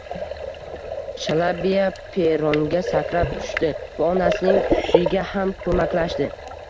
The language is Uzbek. Shalabiya perronga sakrab tushdi va onasining tushishiga ham ko`maklashdi